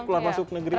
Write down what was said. keluar masuk negeri gitu